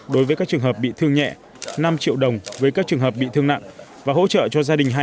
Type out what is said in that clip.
đối với các trường hợp bị thương nhẹ năm triệu đồng với các trường hợp bị thương nặng và hỗ trợ cho gia đình